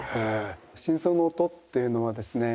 心臓の音っていうのはですね